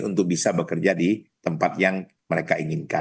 untuk bisa bekerja di tempat yang mereka inginkan